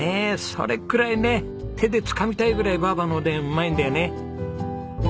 それくらいね手でつかみたいぐらいばあばのおでんうまいんだよね。